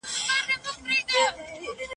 خو د ښه والي هڅه مه پریږدئ.